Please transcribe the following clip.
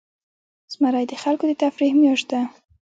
زمری د خلکو د تفریح میاشت ده.